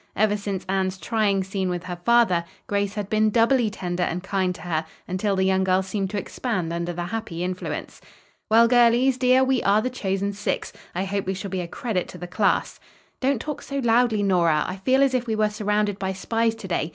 Ever since Anne's trying scene with her father, Grace had been doubly tender and kind to her, until the young girl seemed to expand under the happy influence. "Well, girlies, dear, we are the chosen six. I hope we shall be a credit to the class." "Don't talk so loudly, Nora. I feel as if we were surrounded by spies to day.